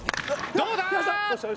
どうだ？